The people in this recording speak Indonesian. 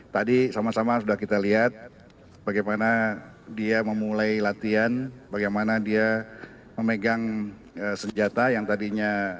tadi sama sama sudah kita lihat bagaimana dia memulai latihan bagaimana dia memegang senjata yang tadinya